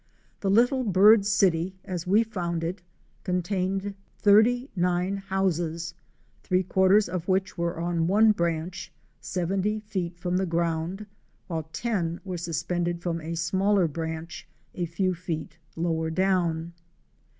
The little bird city as we found it contained 39 homes; three quarters of which were on one branch, 70 feet from the ground, while ro were suspended from a smaller branch, a few fect lower down.